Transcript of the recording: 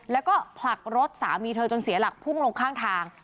แล้วก็ผลักรถสามีเธอจนเสียหลักพุ่งลงข้างทาง